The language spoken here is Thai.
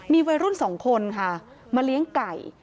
มีวัยรุ่นสองคนค่ะมาเลี้ยงไก่